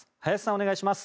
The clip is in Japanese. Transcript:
お願いします。